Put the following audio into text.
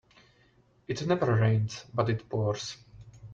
It never rains but it pours.